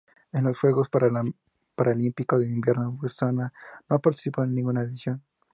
En los Juegos Paralímpicos de Invierno Botsuana no ha participado en ninguna edición.